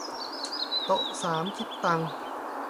โต๊ะสามคิดตังค์